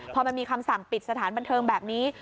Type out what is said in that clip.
พอมันมีคำสั่งปิดสถานบันเทิงแบบนี้